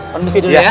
pemisi dulu ya